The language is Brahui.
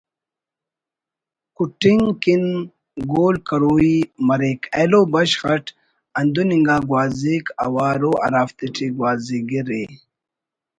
کٹنگ کن گول کروئی مریک ایلو بشخ اٹ ہندن انگا گوازیک اوارءُ ہرافتیٹی گوازی گرءِ